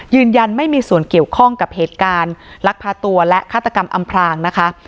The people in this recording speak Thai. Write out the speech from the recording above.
ยืนยันไม่มีส่วนเกี่ยวข้องกับเหตุการณ์ลักพาตัวและฆาตกรรมอำพรางนะคะ